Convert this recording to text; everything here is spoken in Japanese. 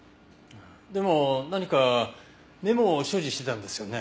でも何かメモを所持してたんですよね？